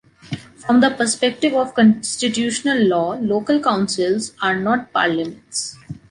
From the perspective of constitutional law, local councils are not parliaments.